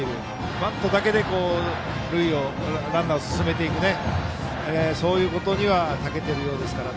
バントだけでランナーを進めていくことにはたけているようですから。